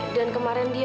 dan kemarin dia